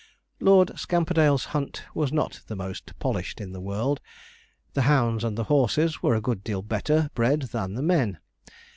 Lord Scamperdale's hunt was not the most polished in the world. The hounds and the horses were a good deal better bred than the men.